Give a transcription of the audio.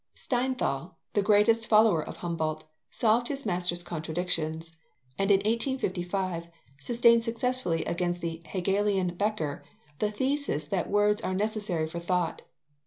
Steinthal, the greatest follower of Humboldt, solved his master's contradictions, and in 1855 sustained successfully against the Hegelian Becker the thesis that words are necessary for thought.